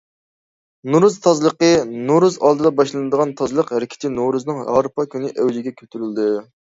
نورۇز تازىلىقى: نورۇز ئالدىدا باشلىنىدىغان تازىلىق ھەرىكىتى نورۇزنىڭ ھارپا كۈنى ئەۋجىگە كۆتۈرۈلىدۇ.